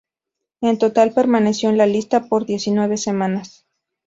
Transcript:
En total, permaneció en la lista por diecinueve semanas.